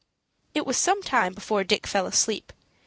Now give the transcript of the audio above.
It was some time before Dick fell asleep.